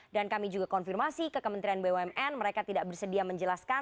dan kami juga konfirmasi ke kementerian bumn mereka tidak bersedia menjelaskan